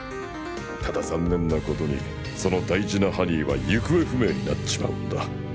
ただ残念なことにその大事なハニーは行方不明になっちまうんだ。